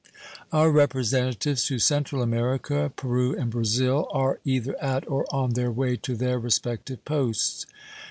Our representatives to Central America, Peru, and Brazil are either at or on their way to their respective posts.